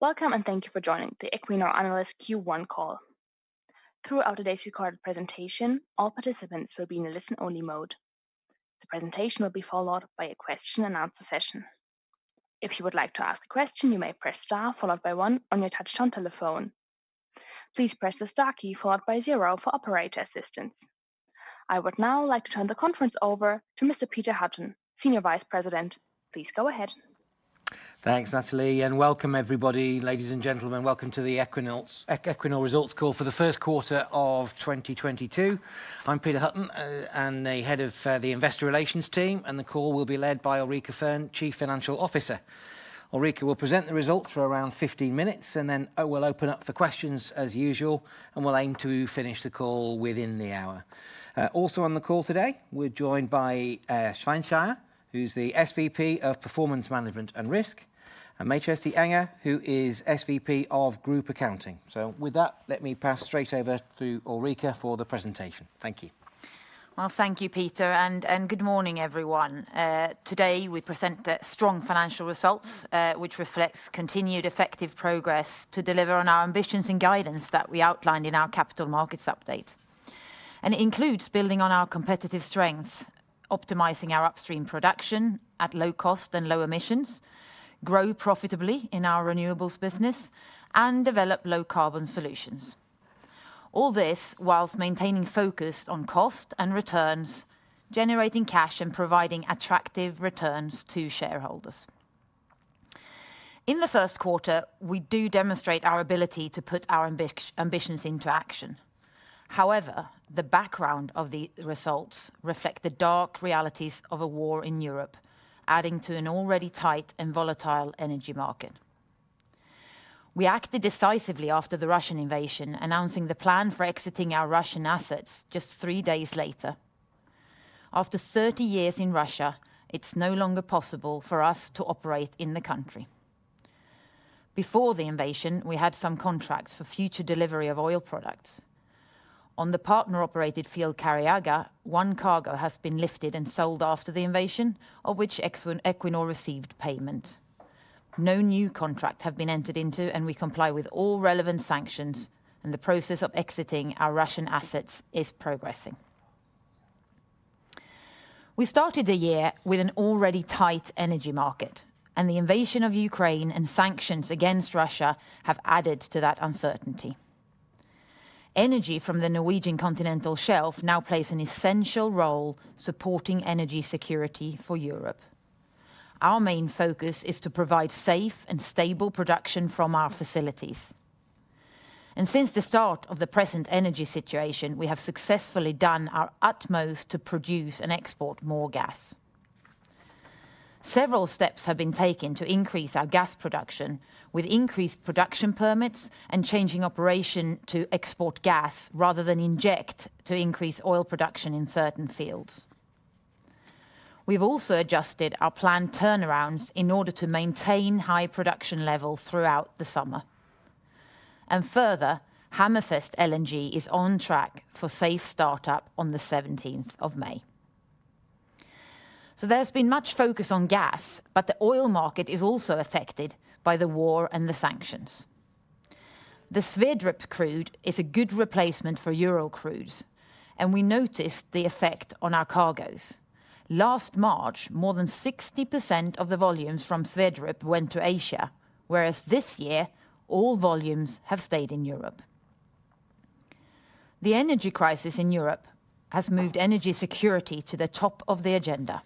Welcome, and thank you for joining the Equinor Analyst Q1 Call. Throughout today's recorded presentation, all participants will be in a listen-only mode. The presentation will be followed by a question-and-answer session. If you would like to ask a question, you may press star followed by one on your touchtone telephone. Please press the star key followed by zero for operator assistance. I would now like to turn the conference over to Mr. Peter Hutton, Senior Vice President. Please go ahead. Thanks, Natalie, and welcome everybody. Ladies and gentlemen, welcome to the Equinor Results Call for the first quarter of 2022. I'm Peter Hutton, and the head of the Investor Relations team, and the call will be led by Ulrica Fearn, Chief Financial Officer. Ulrica will present the results for around 15 minutes, and then I will open up for questions as usual, and we'll aim to finish the call within the hour. Also on the call today, we're joined by Svein Skeie, who's the SVP of Performance Management and Risk, and May-Kirsti Enger, who is SVP of Group Accounting. With that, let me pass straight over to Ulrica for the presentation. Thank you. Well, thank you, Peter, and good morning, everyone. Today, we present strong financial results, which reflects continued effective progress to deliver on our ambitions and guidance that we outlined in our capital markets update. It includes building on our competitive strengths, optimizing our upstream production at low cost and low emissions, grow profitably in our renewables business, and develop low carbon solutions. All this whilst maintaining focus on cost and returns, generating cash, and providing attractive returns to shareholders. In the first quarter, we do demonstrate our ability to put our ambitions into action. However, the background of the results reflect the dark realities of a war in Europe, adding to an already tight and volatile energy market. We acted decisively after the Russian invasion, announcing the plan for exiting our Russian assets just three days later. After 30 years in Russia, it's no longer possible for us to operate in the country. Before the invasion, we had some contracts for future delivery of oil products. On the partner-operated field Kharyaga, one cargo has been lifted and sold after the invasion, of which Equinor received payment. No new contract have been entered into, and we comply with all relevant sanctions, and the process of exiting our Russian assets is progressing. We started the year with an already tight energy market, and the invasion of Ukraine and sanctions against Russia have added to that uncertainty. Energy from the Norwegian continental shelf now plays an essential role supporting energy security for Europe. Our main focus is to provide safe and stable production from our facilities. Since the start of the present energy situation, we have successfully done our utmost to produce and export more gas. Several steps have been taken to increase our gas production, with increased production permits and changing operation to export gas rather than inject to increase oil production in certain fields. We've also adjusted our planned turnarounds in order to maintain high production level throughout the summer. Further, Hammerfest LNG is on track for safe startup on the seventeenth of May. There's been much focus on gas, but the oil market is also affected by the war and the sanctions. The Sverdrup crude is a good replacement for Urals crude, and we noticed the effect on our cargoes. Last March, more than 60% of the volumes from Sverdrup went to Asia, whereas this year, all volumes have stayed in Europe. The energy crisis in Europe has moved energy security to the top of the agenda.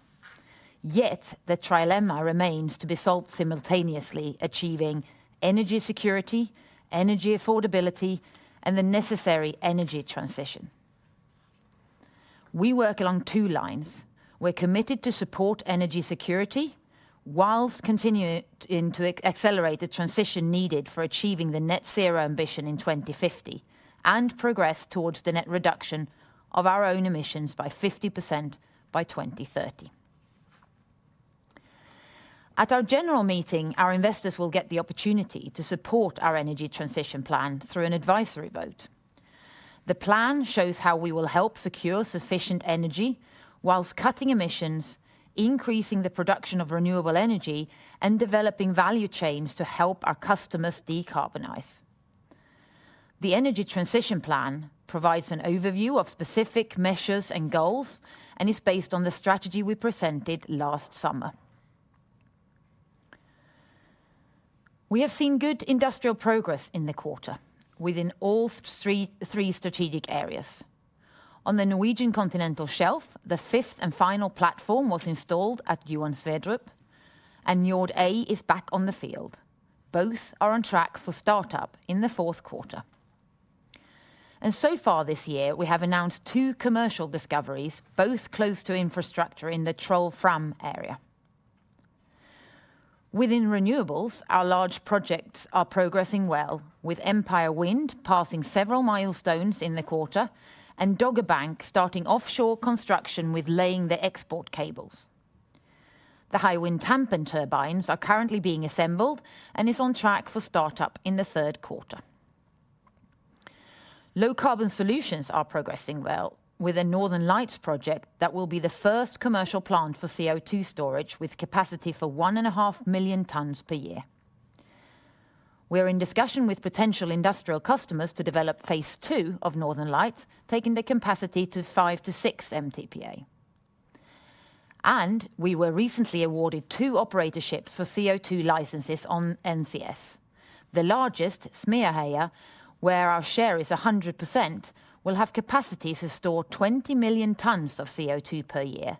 Yet, the trilemma remains to be solved simultaneously, achieving energy security, energy affordability, and the necessary energy transition. We work along two lines. We're committed to support energy security while continuing to accelerate the transition needed for achieving the net zero ambition in 2050 and progress towards the net reduction of our own emissions by 50% by 2030. At our general meeting, our investors will get the opportunity to support our energy transition plan through an advisory vote. The plan shows how we will help secure sufficient energy while cutting emissions, increasing the production of renewable energy, and developing value chains to help our customers decarbonize. The energy transition plan provides an overview of specific measures and goals and is based on the strategy we presented last summer. We have seen good industrial progress in the quarter within all three strategic areas. On the Norwegian continental shelf, the fifth and final platform was installed at Johan Sverdrup, and Njord A is back on the field. Both are on track for startup in the fourth quarter. So far this year, we have announced two commercial discoveries, both close to infrastructure in the Troll-Fram area. Within renewables, our large projects are progressing well, with Empire Wind passing several milestones in the quarter and Dogger Bank starting offshore construction with laying the export cables. The Hywind Tampen turbines are currently being assembled and is on track for startup in the third quarter. Low-carbon solutions are progressing well with the Northern Lights project that will be the first commercial plant for CO2 storage with capacity for 1.5 million tons per year. We're in discussion with potential industrial customers to develop phase two of Northern Lights, taking the capacity to five to six MTPA. We were recently awarded two operatorships for CO2 licenses on NCS. The largest, Smeaheia, where our share is 100%, will have capacity to store 20 million tons of CO2 per year.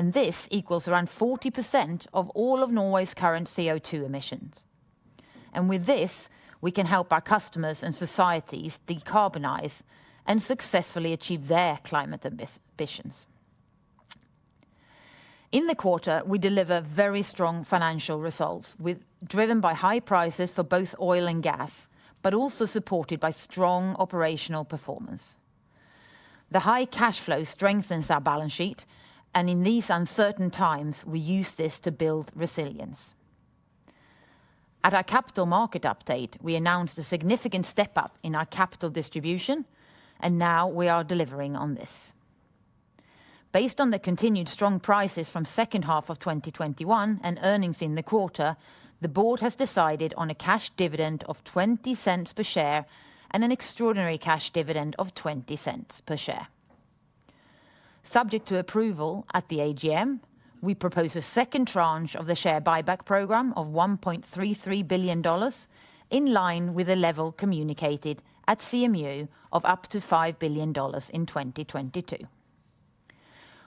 This equals around 40% of all of Norway's current CO2 emissions. With this, we can help our customers and societies decarbonize and successfully achieve their climate ambitions. In the quarter, we deliver very strong financial results driven by high prices for both oil and gas, but also supported by strong operational performance. The high cash flow strengthens our balance sheet, and in these uncertain times, we use this to build resilience. At our capital market update, we announced a significant step up in our capital distribution, and now we are delivering on this. Based on the continued strong prices from second half of 2021 and earnings in the quarter, the board has decided on a cash dividend of $0.20 per share and an extraordinary cash dividend of $0.20 per share. Subject to approval at the AGM, we propose a second tranche of the share buyback program of $1.33 billion, in line with the level communicated at CMU of up to $5 billion in 2022.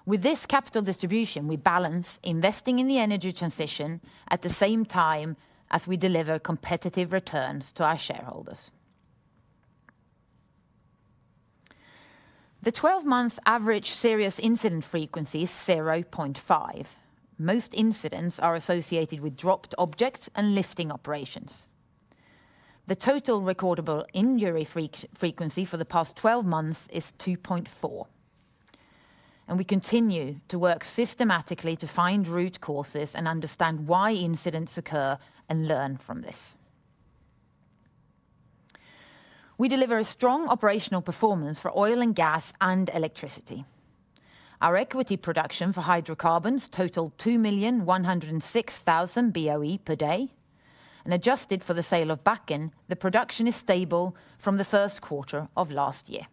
With this capital distribution, we balance investing in the energy transition at the same time as we deliver competitive returns to our shareholders. The twelve-month average serious incident frequency is 0.5. Most incidents are associated with dropped objects and lifting operations. The total recordable injury frequency for the past twelve months is 2.4. We continue to work systematically to find root causes and understand why incidents occur and learn from this. We deliver a strong operational performance for oil and gas and electricity. Our equity production for hydrocarbons totaled 2,106,000 BOE per day. Adjusted for the sale of Bakken, the production is stable from the first quarter of last year.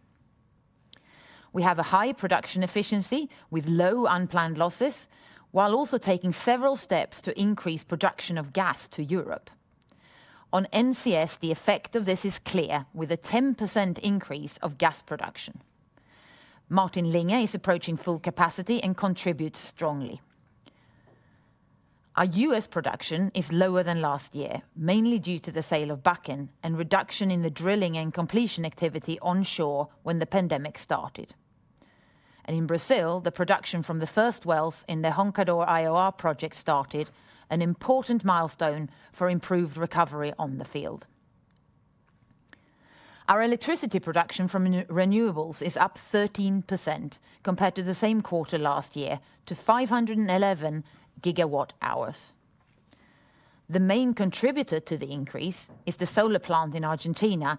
We have a high production efficiency with low unplanned losses, while also taking several steps to increase production of gas to Europe. On NCS, the effect of this is clear, with a 10% increase of gas production. Martin Linge is approaching full capacity and contributes strongly. Our U.S. production is lower than last year, mainly due to the sale of Bakken and reduction in the drilling and completion activity onshore when the pandemic started. In Brazil, the production from the first wells in the Roncador IOR project started, an important milestone for improved recovery on the field. Our electricity production from renewables is up 13% compared to the same quarter last year to 511 GWh. The main contributor to the increase is the solar plant in Argentina,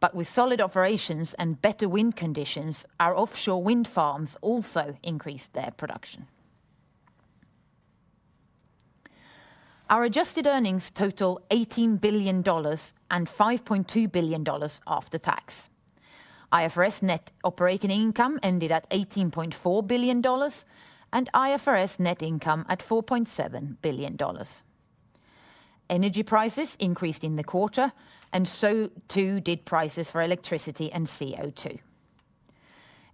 but with solid operations and better wind conditions, our offshore wind farms also increased their production. Our adjusted earnings total $18 billion and $5.2 billion after tax. IFRS net operating income ended at $18.4 billion, and IFRS net income at $4.7 billion. Energy prices increased in the quarter, and so too did prices for electricity and CO2.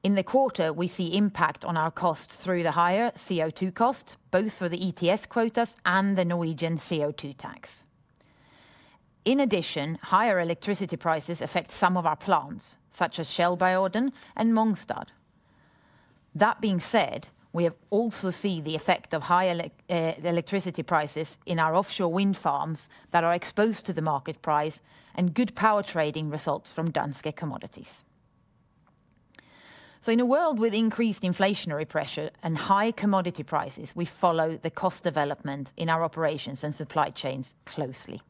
In the quarter, we see impact on our costs through the higher CO2 costs, both for the ETS quotas and the Norwegian CO2 tax. In addition, higher electricity prices affect some of our plants, such as Shell Bjorn and Mongstad. That being said, we have also seen the effect of higher electricity prices in our offshore wind farms that are exposed to the market price and good power trading results from Danske Commodities. In a world with increased inflationary pressure and high commodity prices, we follow the cost development in our operations and supply chains closely.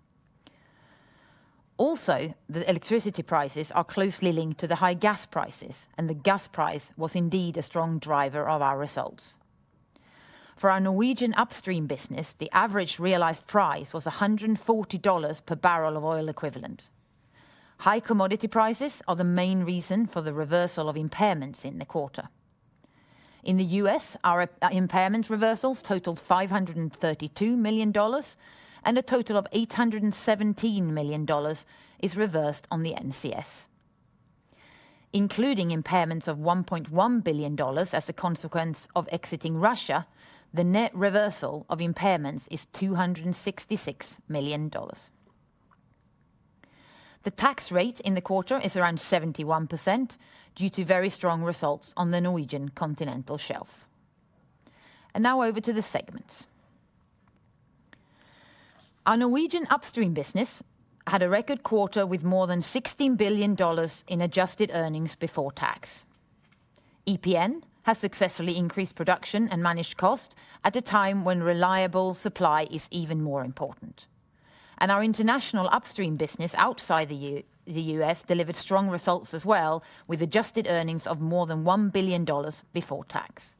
Also, the electricity prices are closely linked to the high gas prices, and the gas price was indeed a strong driver of our results. For our Norwegian upstream business, the average realized price was $140 per barrel of oil equivalent. High commodity prices are the main reason for the reversal of impairments in the quarter. In the U.S., our impairment reversals totaled $532 million, and a total of $817 million is reversed on the NCS. Including impairments of $1.1 billion as a consequence of exiting Russia, the net reversal of impairments is $266 million. The tax rate in the quarter is around 71% due to very strong results on the Norwegian Continental Shelf. Now over to the segments. Our Norwegian upstream business had a record quarter with more than $16 billion in adjusted earnings before tax. EPN has successfully increased production and managed cost at a time when reliable supply is even more important. Our international upstream business outside the U.S. delivered strong results as well, with adjusted earnings of more than $1 billion before tax.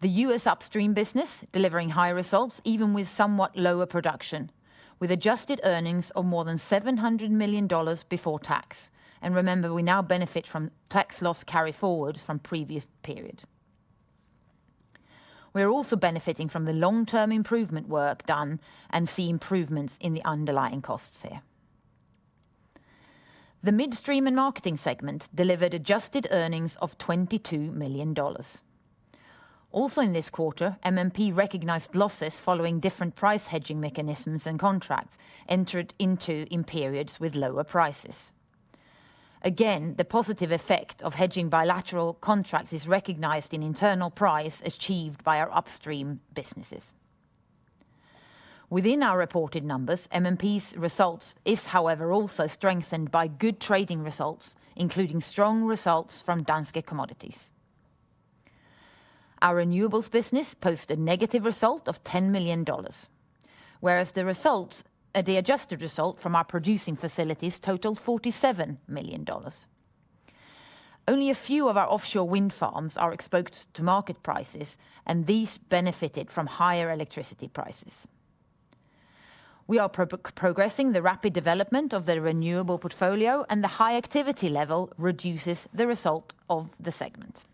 The U.S. upstream business delivering higher results even with somewhat lower production, with adjusted earnings of more than $700 million before tax. Remember, we now benefit from tax loss carryforwards from previous period. We are also benefiting from the long-term improvement work done and see improvements in the underlying costs here. The midstream and marketing segment delivered adjusted earnings of $22 million. Also in this quarter, MMP recognized losses following different price hedging mechanisms and contracts entered into in periods with lower prices. Again, the positive effect of hedging bilateral contracts is recognized in internal price achieved by our upstream businesses. Within our reported numbers, MMP's results is, however, also strengthened by good trading results, including strong results from Danske Commodities. Our renewables business posts a negative result of $10 million, whereas the adjusted result from our producing facilities totaled $47 million. Only a few of our offshore wind farms are exposed to market prices, and these benefited from higher electricity prices. We are progressing the rapid development of the renewable portfolio, and the high activity level reduces the result of the segment.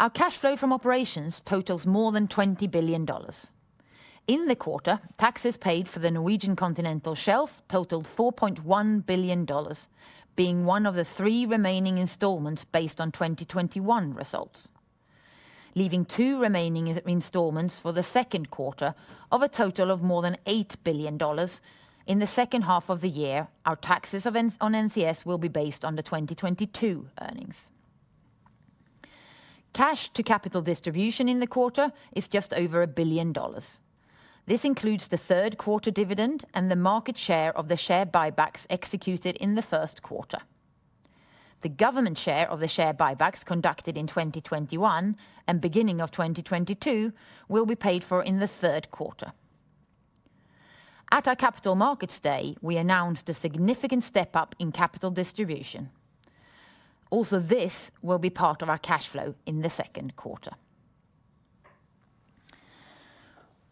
Our cash flow from operations totals more than $20 billion. In the quarter, taxes paid for the Norwegian Continental Shelf totaled $4.1 billion, being one of the three remaining installments based on 2021 results, leaving two remaining installments for the second quarter of a total of more than $8 billion. In the second half of the year, our taxes on NCS will be based on the 2022 earnings. Cash to capital distribution in the quarter is just over $1 billion. This includes the third quarter dividend and the market share of the share buybacks executed in the first quarter. The government share of the share buybacks conducted in 2021 and beginning of 2022 will be paid for in the third quarter. At our Capital Markets Day, we announced a significant step-up in capital distribution. Also, this will be part of our cash flow in the second quarter.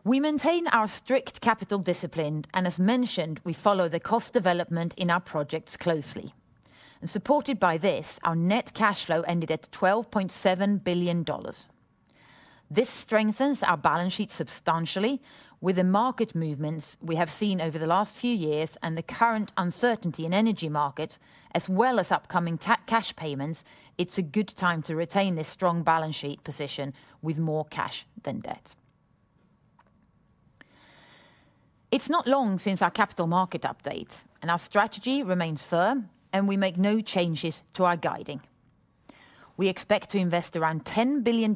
We maintain our strict capital discipline, and as mentioned, we follow the cost development in our projects closely. Supported by this, our net cash flow ended at $12.7 billion. This strengthens our balance sheet substantially. With the market movements we have seen over the last few years and the current uncertainty in energy markets, as well as upcoming cash payments, it's a good time to retain this strong balance sheet position with more cash than debt. It's not long since our capital market update, and our strategy remains firm, and we make no changes to our guidance. We expect to invest around $10 billion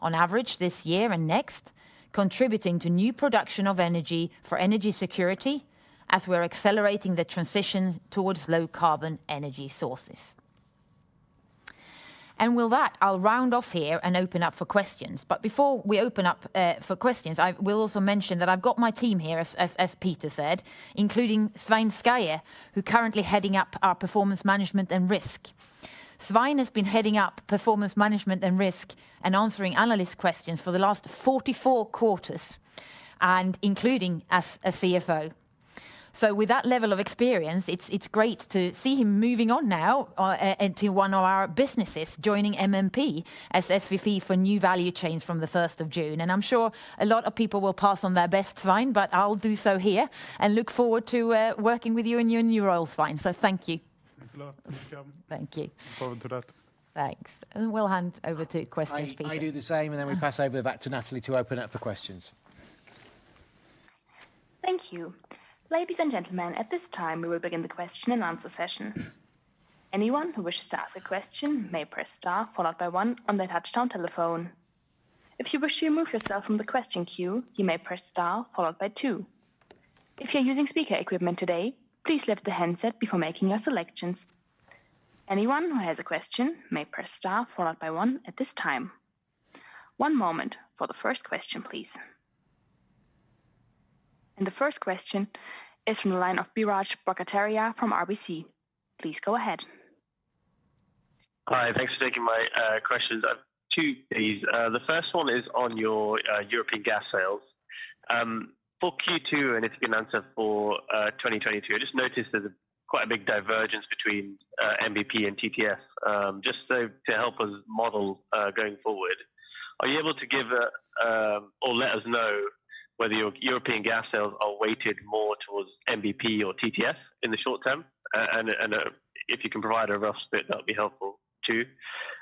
on average this year and next, contributing to new production of energy for energy security as we are accelerating the transition towards low-carbon energy sources. With that, I'll round off here and open up for questions. Before we open up for questions, I will also mention that I've got my team here, as Peter said, including Svein Skeie, who currently heading up our performance management and risk. Svein has been heading up performance management and risk and answering analyst questions for the last 44 quarters, and including as a CFO. With that level of experience, it's great to see him moving on now into one of our businesses, joining MMP as SVP for new value chains from the first of June. I'm sure a lot of people will pass on their best, Svein, but I'll do so here and look forward to working with you in your new role, Svein. Thank you. Thanks a lot. Thank you. Thank you. Looking forward to that. Thanks. We'll hand over to questions, Peter. I do the same, and then we pass over back to Natalie to open up for questions. Thank you. Ladies and gentlemen, at this time, we will begin the question-and-answer session. Anyone who wishes to ask a question may press star followed by one on their touchtone telephone. If you wish to remove yourself from the question queue, you may press star followed by two. If you're using speaker equipment today, please lift the handset before making your selections. Anyone who has a question may press star followed by one at this time. One moment for the first question, please. The first question is from the line of Biraj Borkhataria from RBC. Please go ahead. Hi. Thanks for taking my questions. I have two, please. The first one is on your European gas sales. For Q2, and it's been answered for 2022, I just noticed there's quite a big divergence between NBP and TTF. Just so to help us model going forward, are you able to give a or let us know whether your European gas sales are weighted more towards NBP or TTF in the short term? And if you can provide a rough split, that would be helpful too.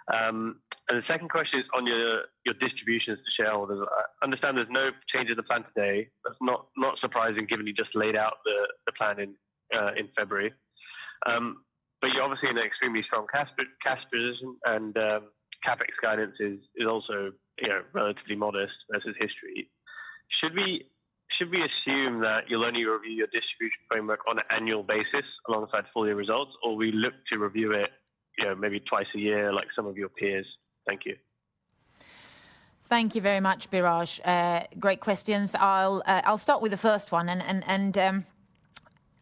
The second question is on your distributions to shareholders. I understand there's no change in the plan today. That's not surprising given you just laid out the plan in February. You're obviously in an extremely strong cash position and CapEx guidance is also, you know, relatively modest versus history. Should we assume that you'll only review your distribution framework on an annual basis alongside full-year results? Will we look to review it, you know, maybe twice a year like some of your peers? Thank you. Thank you very much, Biraj. Great questions. I'll start with the first one.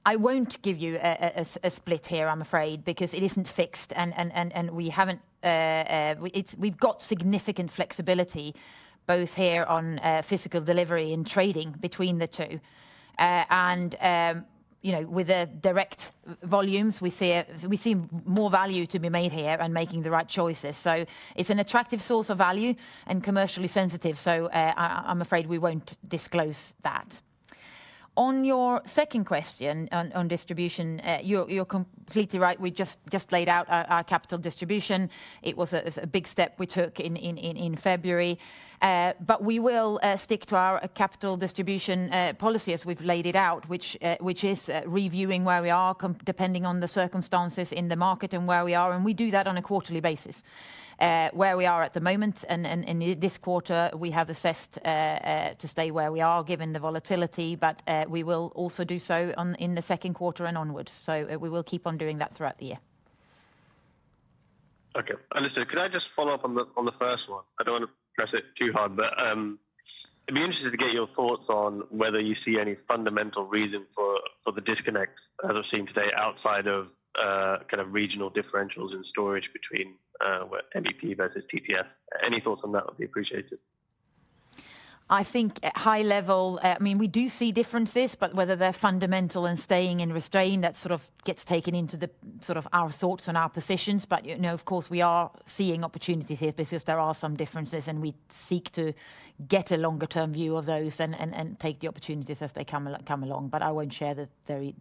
I won't give you a split here I'm afraid, because it isn't fixed and we haven't. We've got significant flexibility both here on physical delivery and trading between the two. You know, with the direct volumes, we see more value to be made here and making the right choices. It's an attractive source of value and commercially sensitive, so I'm afraid we won't disclose that. On your second question on distribution, you're completely right. We just laid out our capital distribution. It was a big step we took in February. We will stick to our capital distribution policy as we've laid it out, which is reviewing where we are depending on the circumstances in the market and where we are, and we do that on a quarterly basis. Where we are at the moment and this quarter, we have assessed to stay where we are given the volatility, but we will also do so in the second quarter and onwards. We will keep on doing that throughout the year. Okay. Listen, could I just follow up on the first one? I don't wanna press it too hard, but it'd be interesting to get your thoughts on whether you see any fundamental reason for the disconnect as it seems today outside of kind of regional differentials in storage between what NBP versus TTF. Any thoughts on that would be appreciated. I think at high level, I mean, we do see differences, but whether they're fundamental and staying in restraint, that sort of gets taken into the sort of our thoughts and our positions. You know, of course, we are seeing opportunities here because there are some differences and we seek to get a longer term view of those and take the opportunities as they come along. I won't share the very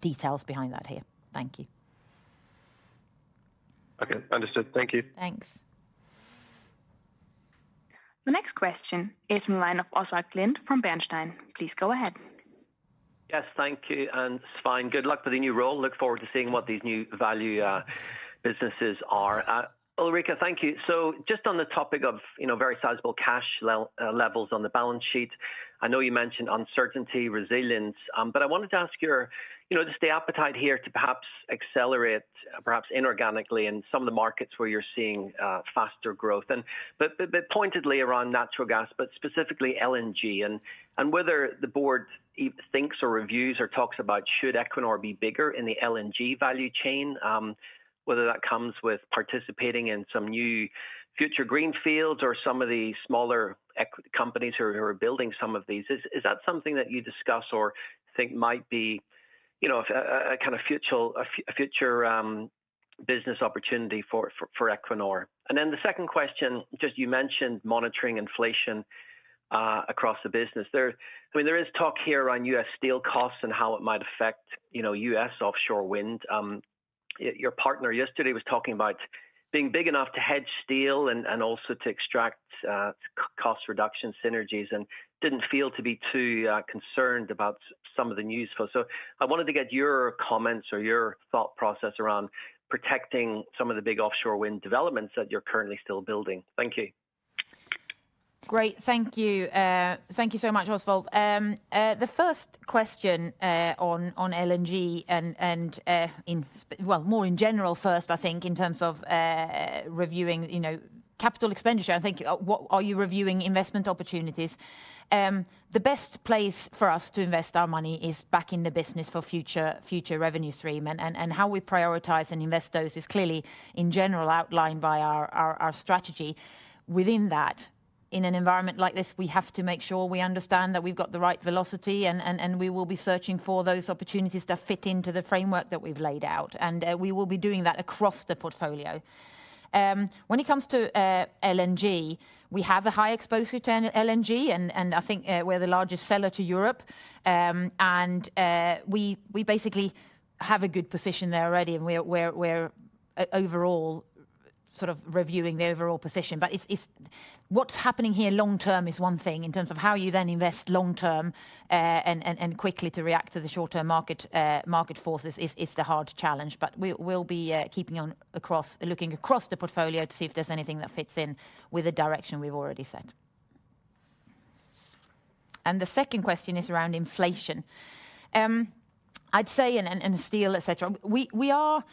details behind that here. Thank you. Okay. Understood. Thank you. Thanks. The next question is in the line of Oswald Clint from Bernstein. Please go ahead. Yes. Thank you, and Svein, good luck with the new role. Look forward to seeing what these new value businesses are. Ulrica, thank you. Just on the topic of, you know, very sizable cash levels on the balance sheet. I know you mentioned uncertainty, resilience, but I wanted to ask your, you know, just the appetite here to perhaps accelerate, perhaps inorganically in some of the markets where you're seeing faster growth. Pointedly around natural gas, but specifically LNG and whether the board thinks or reviews or talks about should Equinor be bigger in the LNG value chain, whether that comes with participating in some new future greenfields or some of the smaller companies who are building some of these. Is that something that you discuss or think might be, you know, a kind of future business opportunity for Equinor? The second question, just you mentioned monitoring inflation across the business. I mean, there is talk here around U.S. steel costs and how it might affect, you know, U.S. offshore wind. Your partner yesterday was talking about being big enough to hedge steel and also to extract cost reduction synergies and didn't feel to be too concerned about some of the news for. I wanted to get your comments or your thought process around protecting some of the big offshore wind developments that you're currently still building. Thank you. Great. Thank you. Thank you so much, Oswald. The first question on LNG and more in general first, I think, in terms of reviewing, you know, capital expenditure. I think, are you reviewing investment opportunities? The best place for us to invest our money is back in the business for future revenue stream. How we prioritize and invest those is clearly, in general, outlined by our strategy. Within that, in an environment like this, we have to make sure we understand that we've got the right velocity and we will be searching for those opportunities that fit into the framework that we've laid out. We will be doing that across the portfolio. When it comes to LNG, we have a high exposure to an LNG and I think we're the largest seller to Europe. We basically have a good position there already, and we're overall sort of reviewing the overall position. What's happening here long term is one thing in terms of how you then invest long term, and quickly to react to the short-term market forces is the hard challenge. We'll be looking across the portfolio to see if there's anything that fits in with the direction we've already set. The second question is around inflation. I'd say in steel, et cetera, we are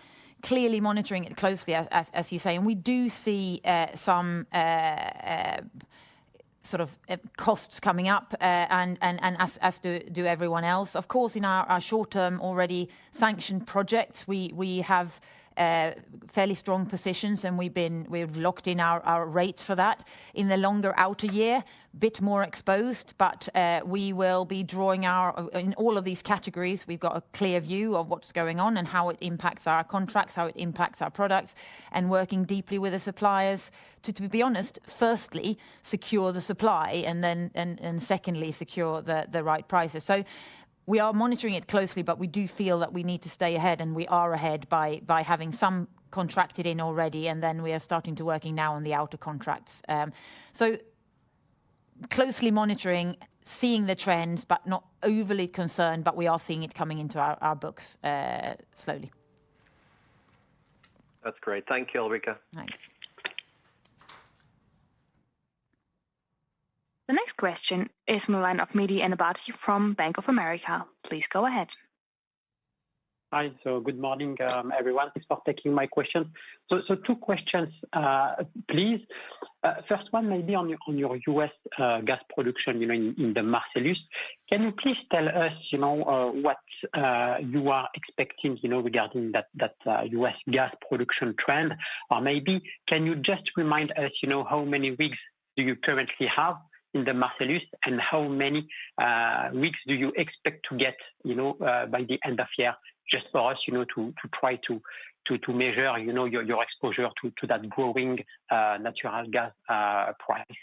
clearly monitoring it closely as you say, and we do see some sort of costs coming up, and as do everyone else. Of course, in our short-term already sanctioned projects, we have fairly strong positions, and we've locked in our rates for that. In the longer outer year, bit more exposed, but we will be drawing our. In all of these categories, we've got a clear view of what's going on and how it impacts our contracts, how it impacts our products, and working deeply with the suppliers to be honest, firstly, secure the supply and then secondly, secure the right prices. We are monitoring it closely, but we do feel that we need to stay ahead, and we are ahead by having some contracted in already, and then we are starting to working now on the outer contracts. Closely monitoring, seeing the trends, but not overly concerned, but we are seeing it coming into our books slowly. That's great. Thank you, Ulrica. Thanks. The next question is in the line of Mehdi Ennebati from Bank of America. Please go ahead. Hi. Good morning, everyone. Thanks for taking my question. Two questions, please. First one may be on your U.S. gas production, you know, in the Marcellus. Can you please tell us, you know, what you are expecting, you know, regarding that U.S. gas production trend? Or maybe can you just remind us, you know, how many rigs do you currently have in the Marcellus, and how many rigs do you expect to get, you know, by the end of year, just for us, you know, to try to measure, you know, your exposure to that growing natural gas price?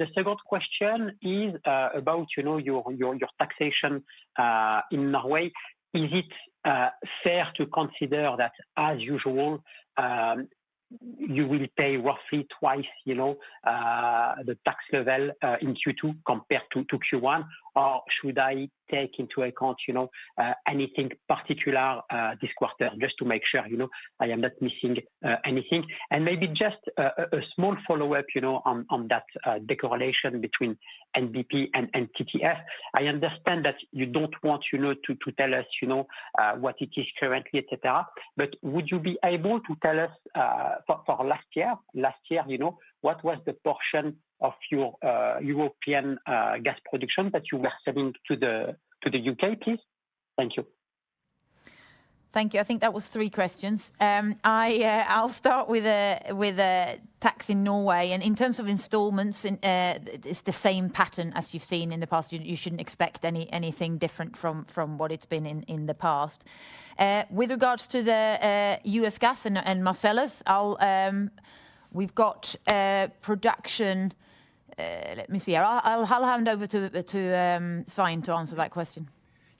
The second question is about, you know, your taxation in Norway. Is it fair to consider that as usual, you will pay roughly twice, you know, the tax level in Q2 compared to Q1? Or should I take into account, you know, anything particular this quarter, just to make sure, you know, I am not missing anything? Maybe just a small follow-up, you know, on that correlation between NBP and TTF. I understand that you don't want, you know, to tell us, you know, what it is currently, et cetera, but would you be able to tell us for last year? Last year, you know, what was the portion of your European gas production that you were selling to the U.K., please? Thank you. Thank you. I think that was three questions. I'll start with the tax in Norway, and in terms of installments in, it's the same pattern as you've seen in the past. You shouldn't expect anything different from what it's been in the past. With regards to the U.S. gas and Marcellus, we've got production. Let me see. I'll hand over to Svein to answer that question.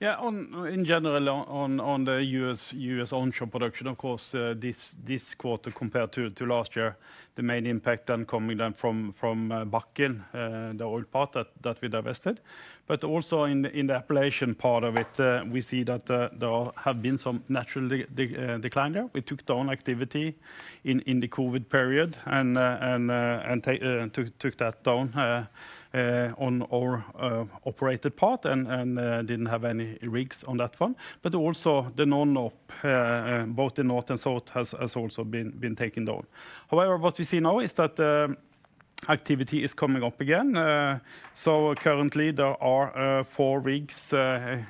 Yeah. In general, on the U.S. onshore production, of course, this quarter compared to last year, the main impact coming from Bakken, the oil part that we divested. But also in the Appalachian part of it, we see that there have been some natural decline there. We took down activity in the COVID period and took that down on our operated part and didn't have any rigs on that front. But also the non-op, both the North and South has also been taken down. However, what we see now is that activity is coming up again. Currently there are four rigs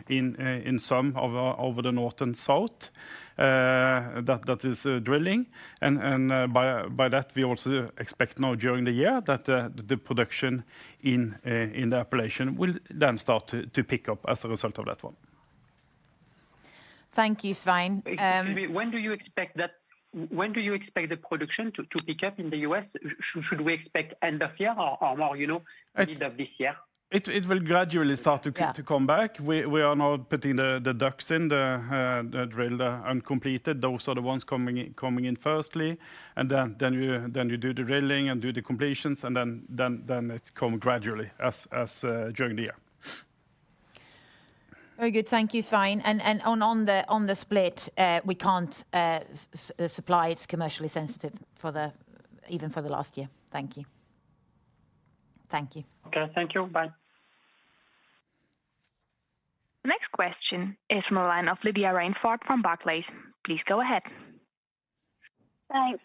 in summer over the North and South that is drilling. By that, we also expect now during the year that the production in the Appalachia will then start to pick up as a result of that one. Thank you, Svein. Excuse me. When do you expect the production to pick up in the U.S.? Should we expect end of year or more, you know, middle of this year? It will gradually start to. Yeah To come back. We are now putting the DUCs, the drilled uncompleted. Those are the ones coming in firstly, and then you do the drilling and do the completions and then it come gradually as during the year. Very good. Thank you, Svein. On the split, we can't supply. It's commercially sensitive, even for the last year. Thank you. Thank you. Okay. Thank you. Bye. Next question is from the line of Lydia Rainforth from Barclays. Please go ahead. Thanks,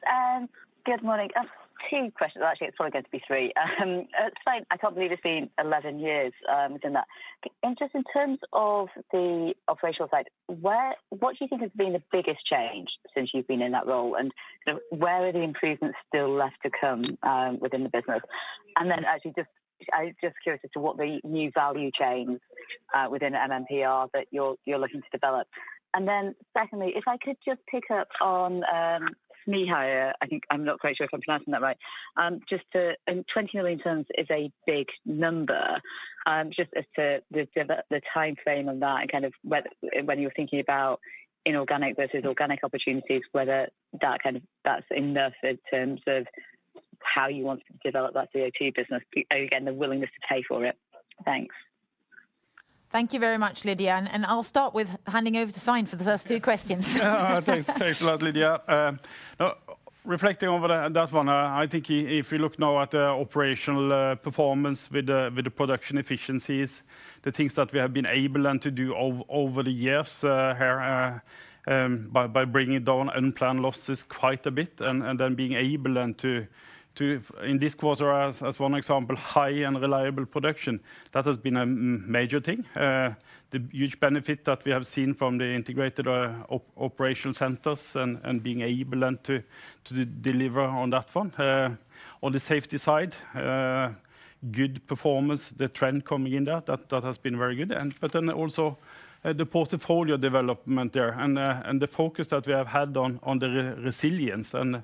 good morning. I've two questions. Actually, it's probably going to be three. Svein, I can't believe it's been 11 years doing that. Just in terms of the operational side, what do you think has been the biggest change since you've been in that role? You know, where are the improvements still left to come within the business? Then actually just, I was just curious as to what the new value chain within MMP are that you're looking to develop. Then secondly, if I could just pick up on Smeaheia, I think. I'm not quite sure if I'm pronouncing that right. Just, 20 million tons is a big number. Just as to the timeframe on that and kind of when you're thinking about inorganic versus organic opportunities, whether that's enough in terms of how you want to develop that CO2 business. Again, the willingness to pay for it. Thanks. Thank you very much, Lydia. I'll start with handing over to Svein for the first two questions. Thanks. Thanks a lot, Lydia. Reflecting over that one, I think if you look now at the operational performance with the production efficiencies, the things that we have been able to do over the years here by bringing down unplanned losses quite a bit and then being able to in this quarter as one example, high and reliable production. That has been a major thing. The huge benefit that we have seen from the integrated operation centers and being able to deliver on that front. On the safety side, good performance, the trend coming in that has been very good. The portfolio development there and the focus that we have had on the resilience and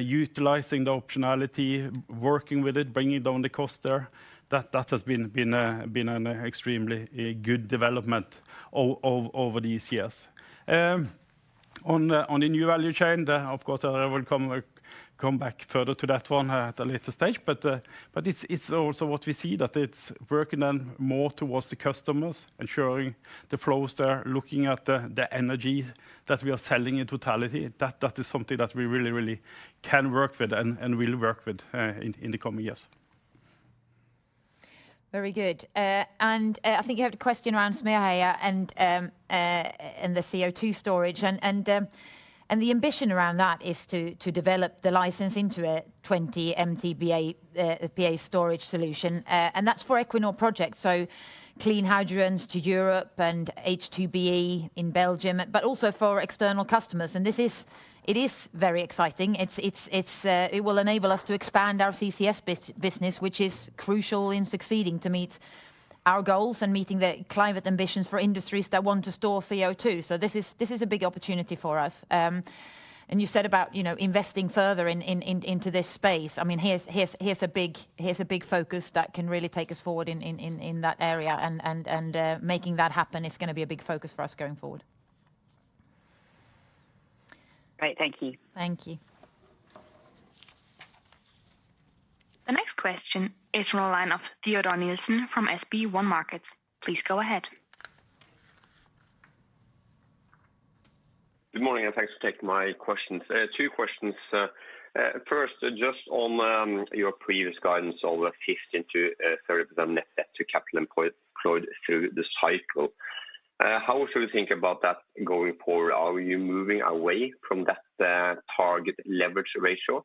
utilizing the optionality, working with it, bringing down the cost there. That has been an extremely good development over these years. On the new value chain, of course, I will come back further to that one at a later stage. It's also what we see that it's working on more towards the customers, ensuring the flows there, looking at the energy that we are selling in totality. That is something that we really can work with and will work with, in the coming years. Very good. I think you have a question around Smeaheia and the CO2 storage. The ambition around that is to develop the license into a 20 MTPA full-scale storage solution. That's for Equinor projects, so clean hydrogens to Europe and H2BE in Belgium, but also for external customers. It is very exciting. It will enable us to expand our CCS business, which is crucial in succeeding to meet our goals and meeting the climate ambitions for industries that want to store CO2. This is a big opportunity for us. You said about, you know, investing further into this space. I mean, here's a big focus that can really take us forward in that area and making that happen is gonna be a big focus for us going forward. Great. Thank you. Thank you. The next question is from the line of Teodor Sveen-Nilsen from SB1 Markets. Please go ahead. Good morning, and thanks for taking my questions. Two questions. First, just on your previous guidance over 15%-30% net debt to capital employed through the cycle, how should we think about that going forward? Are you moving away from that target leverage ratio?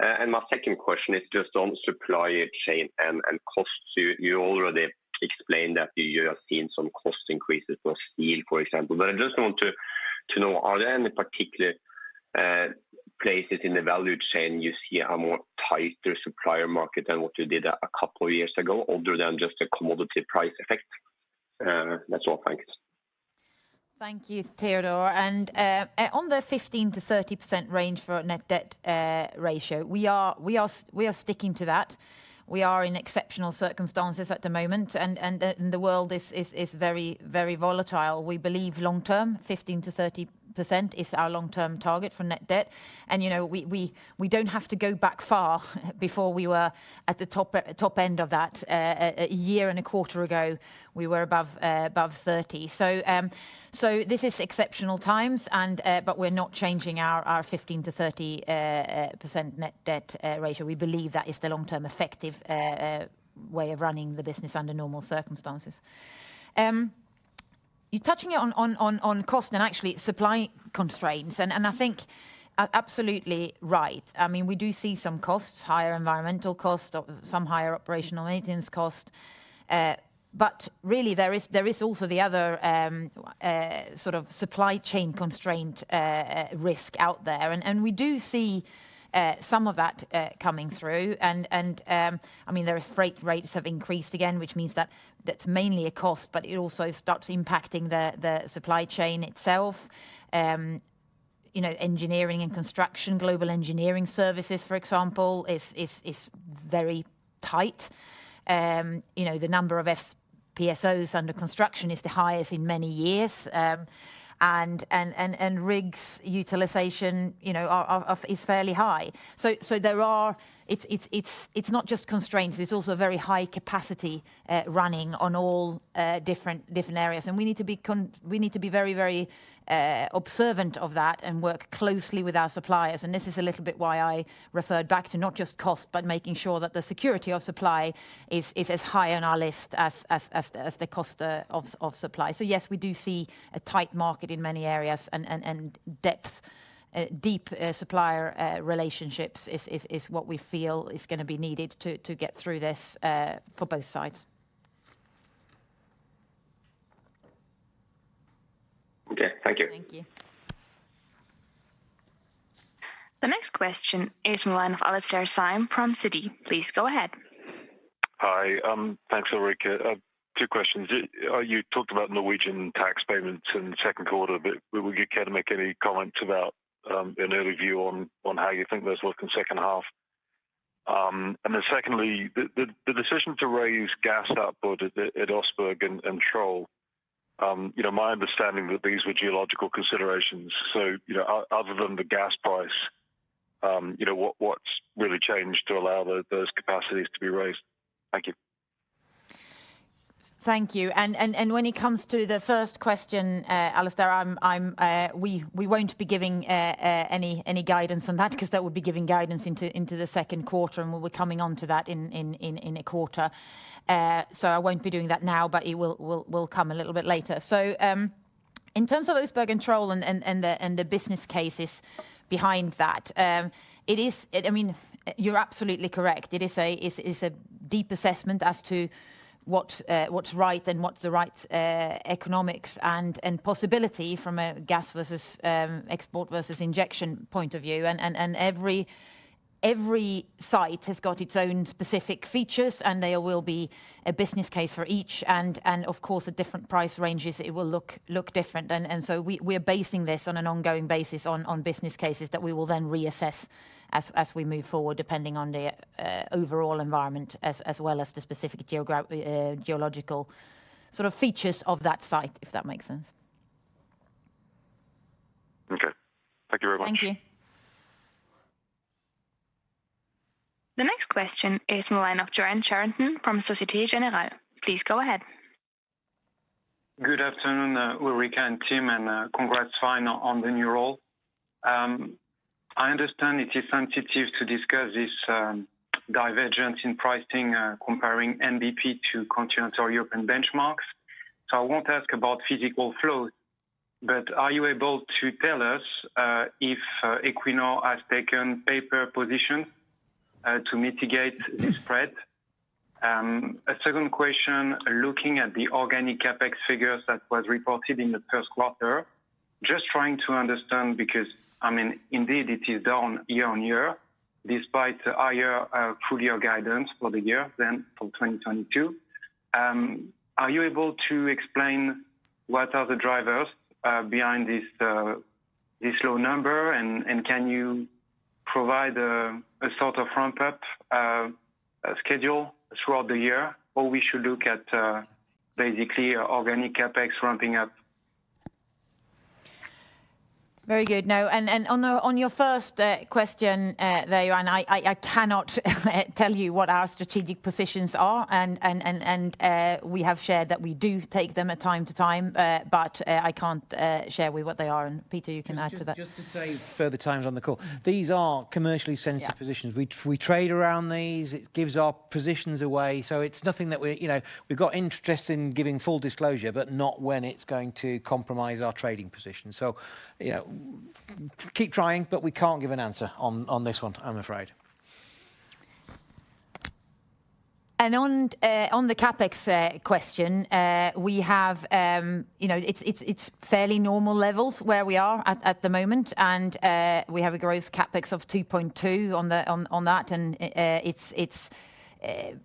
My second question is just on supply chain and costs. You already explained that you have seen some cost increases for steel, for example. I just want to know, are there any particular places in the value chain you see a more tighter supplier market than what you did a couple of years ago other than just a commodity price effect? That's all. Thanks. Thank you, Teodor. On the 15%-30% range for net debt ratio, we are sticking to that. We are in exceptional circumstances at the moment, and the world is very volatile. We believe long term, 15%-30% is our long-term target for net debt. You know, we don't have to go back far before we were at the top end of that. A year and a quarter ago, we were above 30%. This is exceptional times, but we're not changing our 15%-30% net debt ratio. We believe that is the long-term effective way of running the business under normal circumstances. You're touching on cost and actually supply constraints. I think absolutely right. I mean, we do see some costs, higher environmental cost, some higher operational maintenance cost. But really there is also the other sort of supply chain constraint risk out there. We do see some of that coming through. I mean, the freight rates have increased again, which means that that's mainly a cost, but it also starts impacting the supply chain itself. You know, engineering and construction, global engineering services, for example, is very tight. You know, the number of FPSOs under construction is the highest in many years. Rigs utilization you know is fairly high. There are. It's not just constraints, it's also very high capacity, running on all different areas. We need to be very observant of that and work closely with our suppliers. This is a little bit why I referred back to not just cost, but making sure that the security of supply is as high on our list as the cost of supply. Yes, we do see a tight market in many areas and in-depth supplier relationships is what we feel is gonna be needed to get through this for both sides. Okay. Thank you. Thank you. The next question is from the line of Alastair Syme from Citi. Please go ahead. Hi, thanks, Ulrica. Two questions. You talked about Norwegian tax payments in the second quarter, but would you care to make any comments about an early view on how you think those look in second half? Secondly, the decision to raise gas output at Oseberg and Troll, you know, my understanding that these were geological considerations. You know, other than the gas price, you know, what's really changed to allow those capacities to be raised? Thank you. Thank you. When it comes to the first question, Alastair, we won't be giving any guidance on that because that would be giving guidance into the second quarter, and we'll be coming onto that in a quarter. I won't be doing that now, but it will come a little bit later. In terms of Oseberg and Troll and the business cases behind that, it is. I mean, you're absolutely correct. It is a deep assessment as to what's right and what's the right economics and possibility from a gas versus export versus injection point of view. Every site has got its own specific features, and there will be a business case for each and of course, at different price ranges, it will look different. So we're basing this on an ongoing basis on business cases that we will then reassess as we move forward, depending on the overall environment as well as the specific geological sort of features of that site, if that makes sense. Okay. Thank you very much. Thank you. The next question is in the line of Yoann Charenton from Société Générale. Please go ahead. Good afternoon, Ulrica and team, and congrats, Svein, on the new role. I understand it is sensitive to discuss this divergence in pricing, comparing NBP to continental European benchmarks. I won't ask about physical flow, but are you able to tell us if Equinor has taken paper positions to mitigate this spread? A second question, looking at the organic CapEx figures that was reported in the first quarter, just trying to understand because, I mean, indeed it is down year-on-year despite higher full year guidance for the year than for 2022. Are you able to explain what are the drivers behind this low number and can you provide a sort of ramp-up schedule throughout the year? We should look at basically organic CapEx ramping up? Very good. No. On your first question, there, Yoann, I cannot tell you what our strategic positions are and we have shared that we do take them from time to time. I can't share with you what they are. Peter, you can add to that. Just to say further times on the call. These are commercially sensitive. Yeah Positions. We trade around these. It gives our positions away. It's nothing that we're. You know, we've got interest in giving full disclosure, but not when it's going to compromise our trading position. You know, keep trying, but we can't give an answer on this one, I'm afraid. On the CapEx question, you know, it's fairly normal levels where we are at the moment. We have a gross CapEx of $2.2 on that.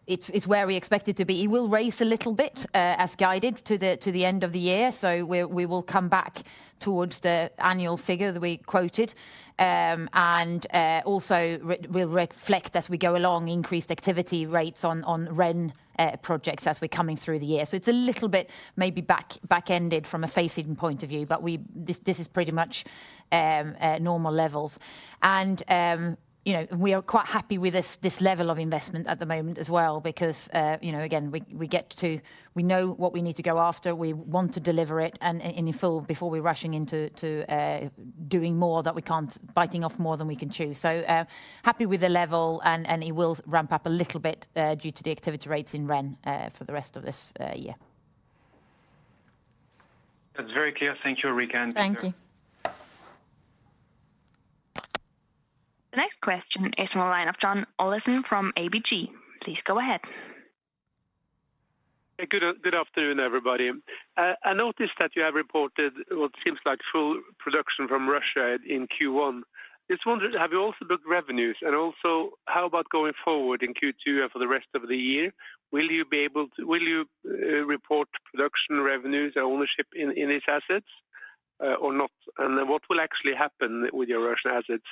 It's where we expect it to be. It will rise a little bit, as guided to the end of the year. We will come back towards the annual figure that we quoted. We'll reflect as we go along increased activity rates on REN projects as we're coming through the year. It's a little bit maybe back-ended from a breakeven point of view, but this is pretty much normal levels. We are quite happy with this level of investment at the moment as well because, you know, again, we know what we need to go after. We want to deliver it and in full before we're rushing into doing more that we can't, biting off more than we can chew. Happy with the level and it will ramp up a little bit due to the activity rates in REN for the rest of this year. That's very clear. Thank you, Ulrica and Peter. Thank you. The next question is from a line of John Olaisen from ABG. Please go ahead. Good afternoon, everybody. I noticed that you have reported what seems like full production from Russia in Q1. Just wondered, have you also booked revenues? How about going forward in Q2 and for the rest of the year? Will you report production revenues, ownership in these assets, or not? What will actually happen with your Russian assets?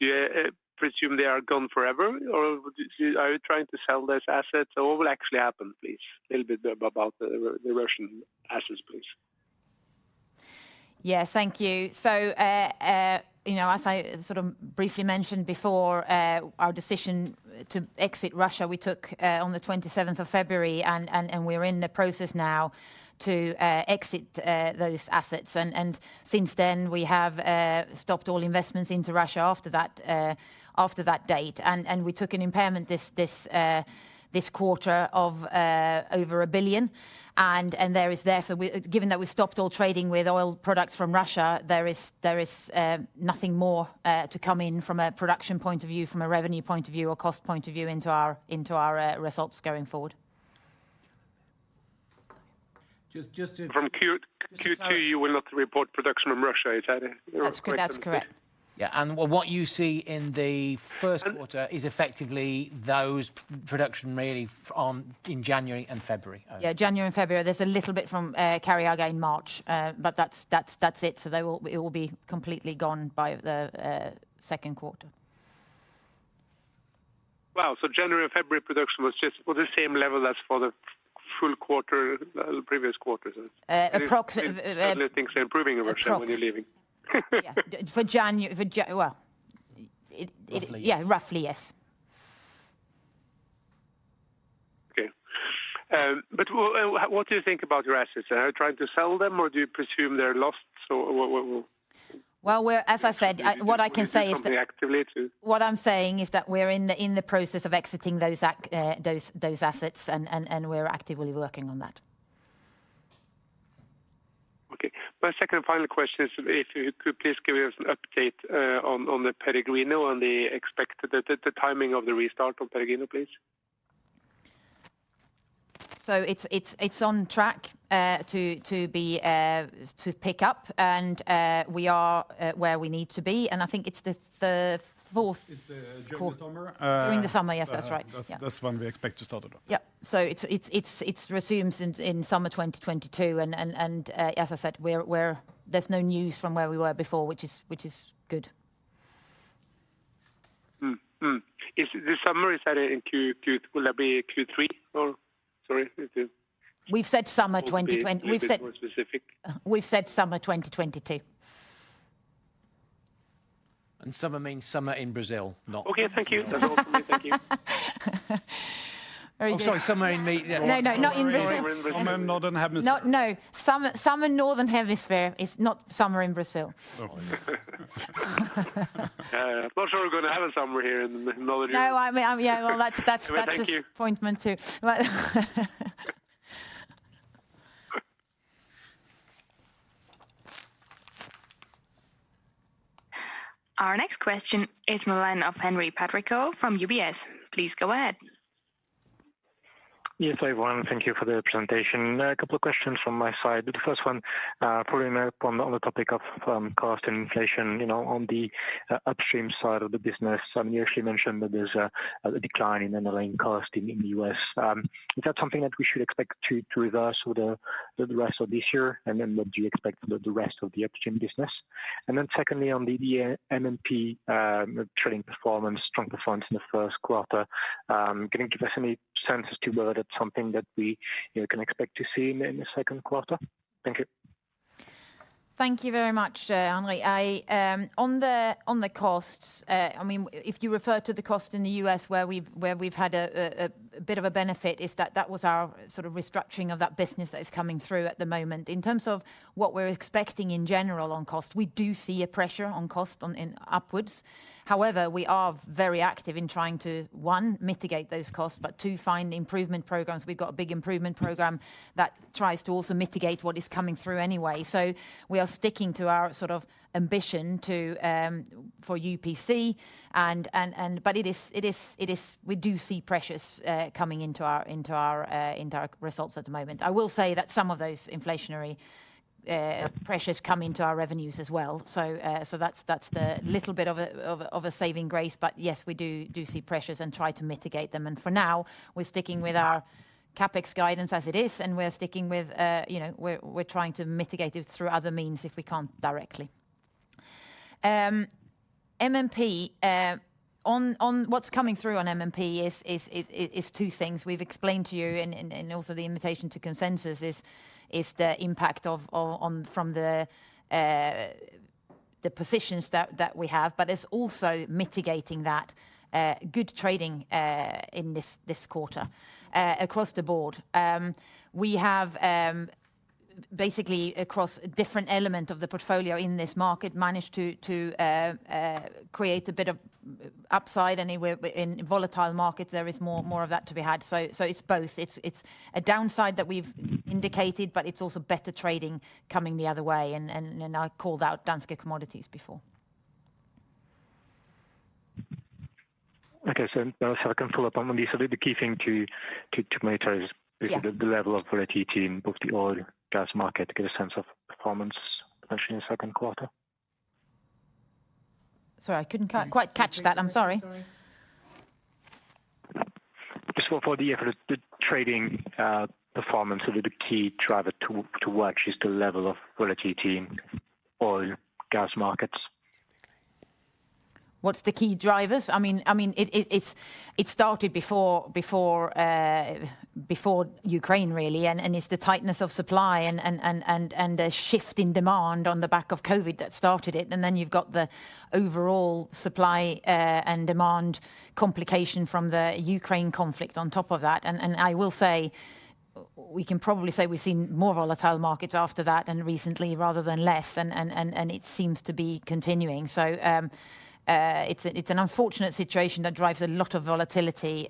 Do you presume they are gone forever, or are you trying to sell those assets? What will actually happen, please? Little bit about the Russian assets, please. Yeah. Thank you. You know, as I sort of briefly mentioned before, our decision to exit Russia we took on the 27th of February, and we're in the process now to exit those assets. Since then, we have stopped all investments into Russia after that date. We took an impairment this quarter of over $1 billion. There is therefore. Given that we've stopped all trading with oil products from Russia, there is nothing more to come in from a production point of view, from a revenue point of view or cost point of view into our results going forward. Just to From Q- Just to clarify. Q2 you will not report production from Russia. Is that it? That's correct. Yeah. What you see in the first quarter is effectively those production really from in January and February. Yeah, January and February. There's a little bit from Kharyaga in March. But that's it. It will be completely gone by the second quarter. Wow. January and February production was just for the same level as for the full quarter, the previous quarters. Is it? Uh, approx- Things are improving in Russia when you're leaving. Yeah. Well, it. Roughly. Yeah, roughly, yes. Okay. What do you think about your assets? Are you trying to sell them or do you presume they're lost? Well, as I said, what I can say is that. Is the company actively? What I'm saying is that we're in the process of exiting those assets and we're actively working on that. Okay. My second and final question is if you could please give us an update on the Peregrino and the expected timing of the restart of Peregrino, please. It's on track to pick up and we are where we need to be. I think it's the fourth- It's during the summer. During the summer. Yes, that's right. Yeah. That's when we expect to start it up. Yeah. It resumes in summer 2022. As I said, there's no news from where we were before, which is good. Mm-hmm. Is the summary started in Q? Will that be a Q3 or? We've said summer 2020. Can you be more specific? We've said summer 2022. Summer means summer in Brazil, not. Okay. Thank you. I'm sorry. No, no, not in Brazil. Summer in Northern Hemisphere. No, summer in the Northern Hemisphere. It's not summer in Brazil. Not sure we're gonna have a summer here in the northern hemisphere. No. I mean, yeah. Well, that's disappointment too. Thank you. Our next question is the line of Henri Patricot from UBS. Please go ahead. Yes, everyone. Thank you for the presentation. A couple of questions from my side. The first one, following up on the other topic of cost and inflation, you know, on the upstream side of the business. You actually mentioned that there's a decline in the LNG cost in the U.S. Is that something that we should expect to reverse with the rest of this year? What do you expect the rest of the upstream business? Secondly, on the MMP trading performance, strong performance in the first quarter, can you give us any sense as to whether that's something that we, you know, can expect to see in the second quarter? Thank you. Thank you very much, Henri. I mean, if you refer to the cost in the U.S. where we've had a bit of a benefit, that was our sort of restructuring of that business that is coming through at the moment. In terms of what we're expecting in general on cost, we do see a pressure on costs going upwards. However, we are very active in trying to, one, mitigate those costs, but two, find improvement programs. We've got a big improvement program that tries to also mitigate what is coming through anyway. We are sticking to our sort of ambition to for UPC. It is, we do see pressures coming into our results at the moment. I will say that some of those inflationary pressures come into our revenues as well. That's the little bit of a saving grace. Yes, we do see pressures and try to mitigate them. For now, we're sticking with our CapEx guidance as it is, and we're sticking with, you know, we're trying to mitigate it through other means if we can't directly. MMP, on what's coming through on MMP is two things. We've explained to you and also the invitation to consensus is the impact of, on, from the positions that we have. It's also mitigating that good trading in this quarter across the board. We have basically across different element of the portfolio in this market, managed to create a bit of upside anyway. In volatile markets, there is more of that to be had. It's both. It's a downside that we've indicated, but it's also better trading coming the other way. I called out Danske Commodities before. Okay. Second follow-up on this. The key thing to monitor is the level of volatility in both the oil and gas market to get a sense of performance actually in the second quarter. Sorry, I couldn't quite catch that. I'm sorry. Just for the effort, the trading performance, are they the key driver to watch? Is the level of volatility in oil and gas markets. What's the key drivers? I mean, it's started before Ukraine really. It's the tightness of supply and a shift in demand on the back of COVID that started it. Then you've got the overall supply and demand complication from the Ukraine conflict on top of that. I will say, we can probably say we've seen more volatile markets after that and recently rather than less, and it seems to be continuing. It's an unfortunate situation that drives a lot of volatility.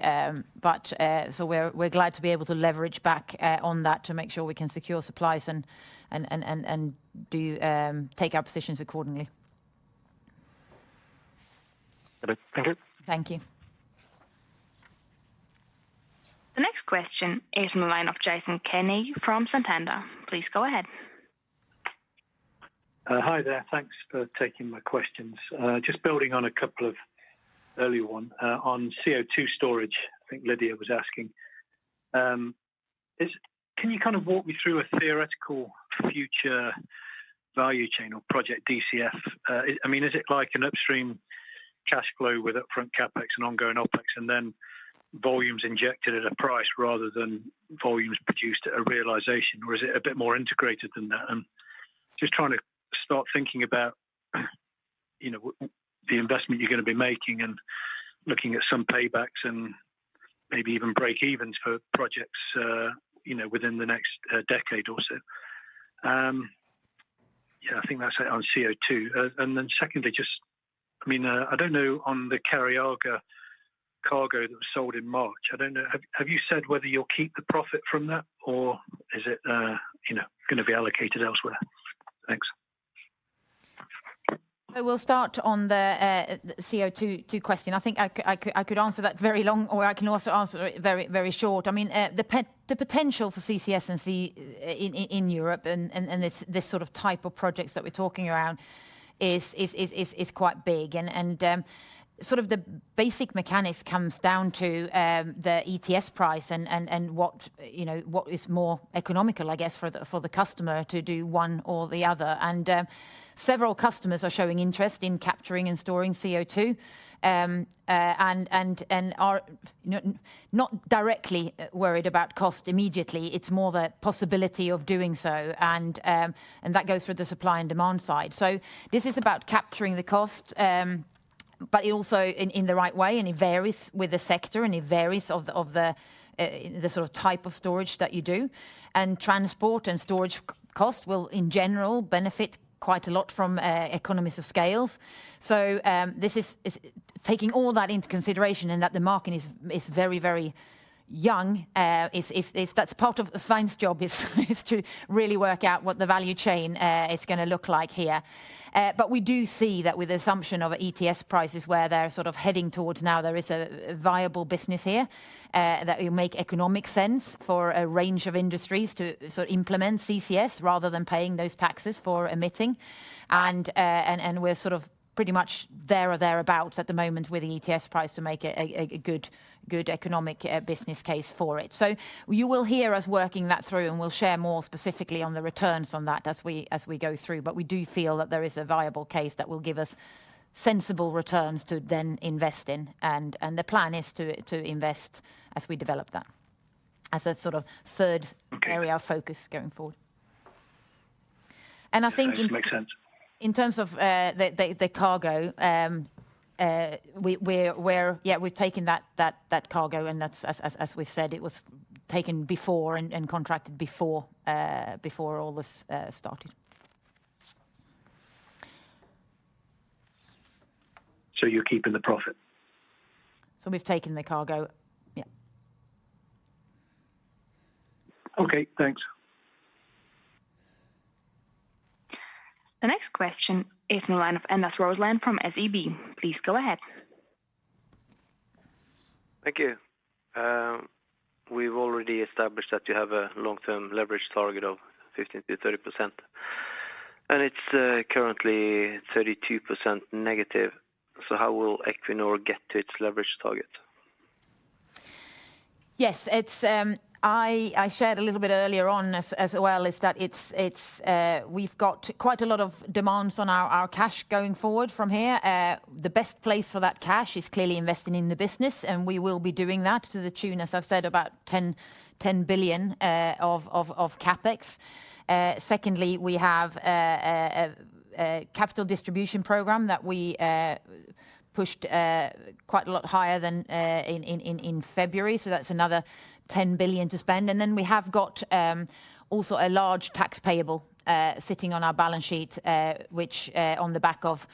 But we're glad to be able to leverage back on that to make sure we can secure supplies and do take our positions accordingly. Okay. Thank you. Thank you. The next question is in the line of Jason Kenney from Santander. Please go ahead. Hi there. Thanks for taking my questions. Just building on a couple of earlier one, on CO2 storage, I think Lydia was asking. Can you kind of walk me through a theoretical future value chain or project DCF? I mean, is it like an upstream cash flow with upfront CapEx and ongoing OpEx, and then volumes injected at a price rather than volumes produced at a realization? Or is it a bit more integrated than that? Just trying to start thinking about, you know, the investment you're gonna be making and looking at some paybacks and maybe even breakevens for projects, you know, within the next decade or so. Yeah, I think that's it on CO2. Secondly, just, I mean, I don't know on the Kharyaga cargo that was sold in March. I don't know. Have you said whether you'll keep the profit from that, or is it, you know, gonna be allocated elsewhere? Thanks. I will start on the CO2 question. I think I could answer that very long, or I can also answer it very, very short. I mean, the potential for CCS and in Europe and this, these sort of type of projects that we're talking around is quite big. Sort of the basic mechanics comes down to the ETS price and what, you know, what is more economical, I guess, for the customer to do one or the other. Several customers are showing interest in capturing and storing CO2, and are, you know, not directly worried about cost immediately. It's more the possibility of doing so. That goes for the supply and demand side. This is about capturing the cost, but it also in the right way, and it varies with the sector and it varies with the sort of type of storage that you do. Transport and storage cost will in general benefit quite a lot from economies of scale. This is taking all that into consideration and that the market is very young. That's part of Svein's job to really work out what the value chain is gonna look like here. But we do see that with the assumption of ETS prices where they're sort of heading towards now, there is a viable business here that will make economic sense for a range of industries to sort of implement CCS rather than paying those taxes for emitting. We're sort of pretty much there or thereabout at the moment with the ETS price to make a good economic business case for it. You will hear us working that through, and we'll share more specifically on the returns on that as we go through. We do feel that there is a viable case that will give us sensible returns to then invest in. The plan is to invest as we develop that as a sort of third area of focus going forward. I think. Yes, makes sense. In terms of the cargo, yeah, we've taken that cargo, and that's as we've said. It was taken before and contracted before all this started. You're keeping the profit? We've taken the cargo. Yeah. Okay, thanks. The next question is from the line of Anders Rosenlund from SEB. Please go ahead. Thank you. We've already established that you have a long-term leverage target of 15%-30%, and it's currently 32% negative. How will Equinor get to its leverage target? Yes. I shared a little bit earlier on as well that it's we've got quite a lot of demands on our cash going forward from here. The best place for that cash is clearly investing in the business, and we will be doing that to the tune, as I've said, about $10 billion of CapEx. Secondly, we have a capital distribution program that we pushed quite a lot higher than in February. That's another $10 billion to spend. We have got also a large tax payable sitting on our balance sheet, which on the back of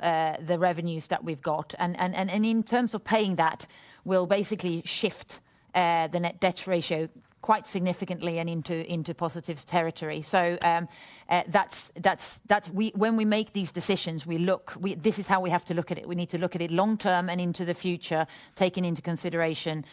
the revenues that we've got. In terms of paying that, we'll basically shift the net debt ratio quite significantly and into positive territory. That's when we make these decisions. We look at it. This is how we have to look at it. We need to look at it long-term and into the future, taking into consideration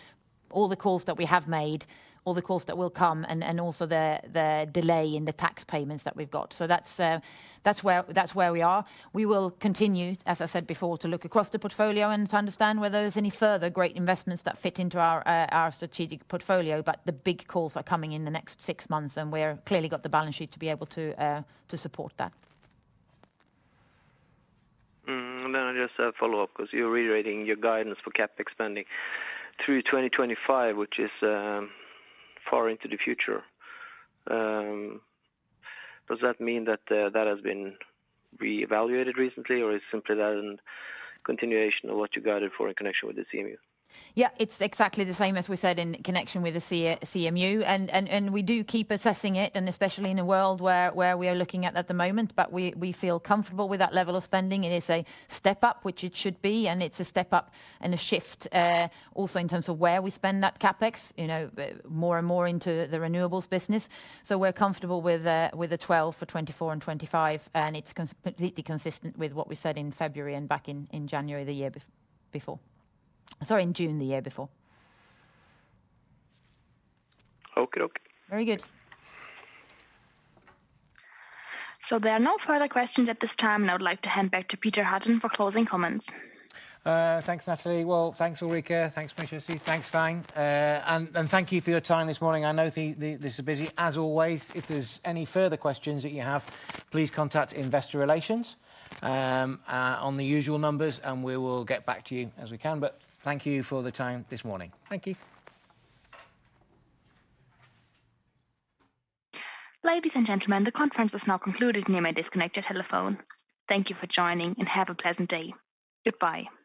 all the calls that we have made, all the calls that will come, and also the delay in the tax payments that we've got. That's where we are. We will continue, as I said before, to look across the portfolio and to understand whether there's any further great investments that fit into our strategic portfolio. The big calls are coming in the next six months, and we've clearly got the balance sheet to be able to support that. I just follow up because you're reiterating your guidance for CapEx spending through 2025, which is far into the future. Does that mean that has been reevaluated recently, or is simply that a continuation of what you guided for in connection with the CMU? Yeah. It's exactly the same as we said in connection with the CMU. We do keep assessing it, especially in a world where we are looking at the moment, but we feel comfortable with that level of spending. It is a step up, which it should be, and it's a step up and a shift also in terms of where we spend that CapEx, you know, more and more into the renewables business. We're comfortable with the $12 for 2024 and 2025, and it's completely consistent with what we said in February and back in January the year before. Sorry, in June the year before. Okay. Very good. There are no further questions at this time, and I would like to hand back to Peter Hutton for closing comments. Thanks, Natalie. Well, thanks, Ulrica. Thanks, Magnhild. Thanks, Svein. And thank you for your time this morning. I know this is busy. As always, if there's any further questions that you have, please contact investor relations on the usual numbers, and we will get back to you as we can. Thank you for the time this morning. Thank you. Ladies and gentlemen, the conference is now concluded. You may disconnect your telephone. Thank you for joining, and have a pleasant day. Goodbye.